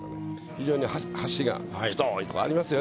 非常に柱が太いとこありますよね